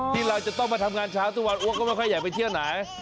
ที่เราจะต้องมาทำงานเช้าทุกวันอ้วกก็ไม่ค่อยอยากไปเที่ยวไหน